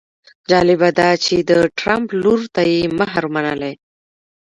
جالبه ده چې د ټرمپ لور ته یې مهر منلی.